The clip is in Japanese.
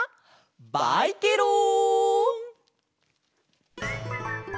バイケロン！